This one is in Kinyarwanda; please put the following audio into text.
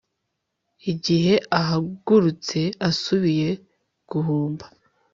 igihe ahagurutse asubiye guhumba